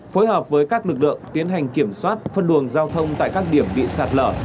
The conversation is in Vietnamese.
phối hợp với các lực lượng tiến hành kiểm soát phân luồng giao thông tại các điểm bị sạt lở